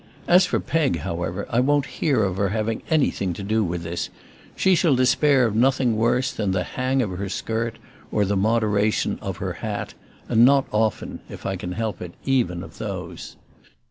As for Peg, however, I won't hear of her having anything to do with this; she shall despair of nothing worse than the "hang" of her skirt or the moderation other hat and not often, if I can help her, even of those.